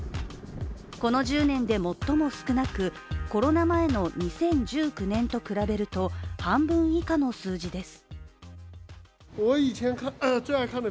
この１０年で最も少なくコロナ前の２０１９年と比べると半分以下の数字です。